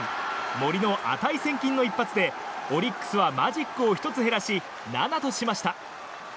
森の値千金の一発でオリックスはマジックを１つ減らし、７としました。